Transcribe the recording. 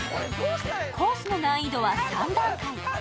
コースの難易度は３段階。